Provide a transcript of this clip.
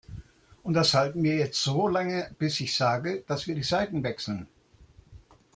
Und das halten wir jetzt so lange, bis ich sage, dass wir die Seiten wechseln.